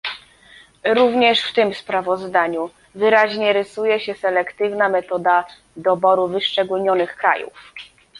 Również w tym sprawozdaniu wyraźnie rysuje się selektywna metoda doboru wyszczególnionych krajów